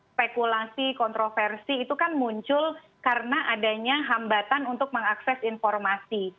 spekulasi kontroversi itu kan muncul karena adanya hambatan untuk mengakses informasi